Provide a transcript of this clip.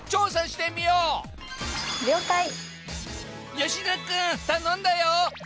吉田君頼んだよ！